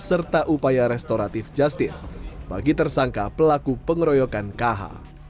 serta upaya restoratif justice bagi tersangka pelaku pengeroyokan kh